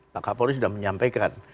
pak kapolri sudah menyampaikan